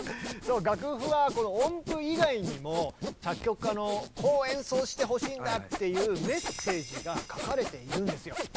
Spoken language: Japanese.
楽譜はこの音符以外にも作曲家の「こう演奏してほしいんだ」っていうメッセージが書かれているんですよ。